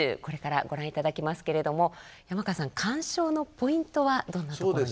これからご覧いただきますけれども山川さん鑑賞のポイントはどんなところに。